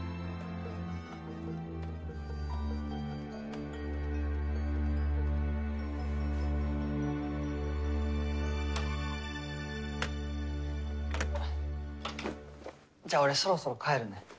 カチッじゃあ俺そろそろ帰るね。